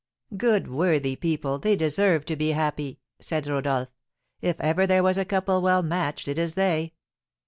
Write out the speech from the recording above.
"Good, worthy people, they deserve to be happy!" said Rodolph. "If ever there was a couple well matched it is they."